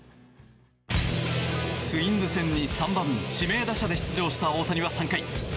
ツインズ戦に３番指名打者で出場した大谷は３回。